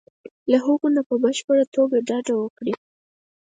له هغو نه په بشپړه توګه ډډه وکړي.